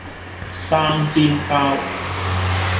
生煎包